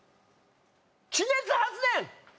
地熱発電！